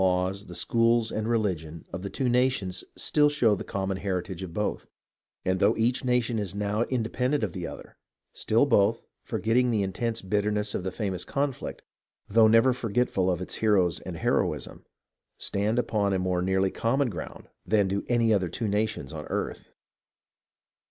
laws, the schools and religion, of the two nations still show the com mon heritage of both ; and though each nation is now independent of the other, still both, forgetting the intense bitterness of the famous conflict, though never forgetful of its heroes and heroism, stand upon a more nearly common ground than do any other two nations on earth.